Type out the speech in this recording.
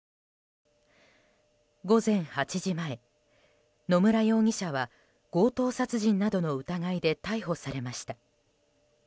午前８時前、野村容疑者は強盗殺人などの疑いで逮捕されました。